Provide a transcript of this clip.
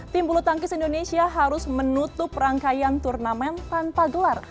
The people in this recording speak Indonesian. tim bulu tangkis indonesia harus menutup rangkaian turnamen tanpa gelar